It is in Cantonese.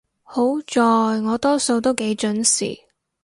好在我多數都幾準時